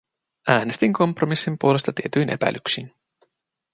Äänestin kompromissin puolesta tietyin epäilyksin.